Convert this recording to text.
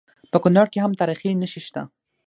په کونړ کې هم تاریخي نښې شته